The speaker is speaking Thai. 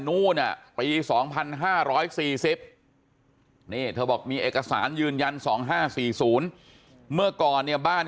นู่นปี๒๕๔๐นี่เธอบอกมีเอกสารยืนยัน๒๕๔๐เมื่อก่อนเนี่ยบ้าน